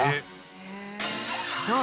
そう！